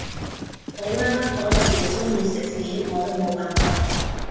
好啦，可能你鍾意食屎我都冇辦法